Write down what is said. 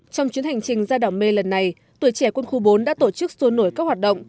trong chuyến hành trình ra đảo mê lần này tuổi trẻ quân khu bốn đã tổ chức xuôi nổi các hoạt động